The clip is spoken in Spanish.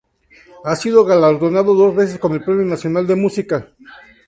Ha sido galardonado dos veces con el Premio Nacional de Música.